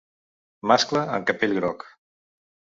Mascle amb capell groc.